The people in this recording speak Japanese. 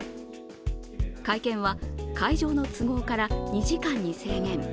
会見は会場の都合から２時間に制限。